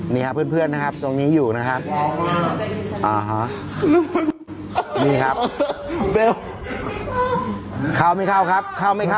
นี่ครับดูครับนะครับนี่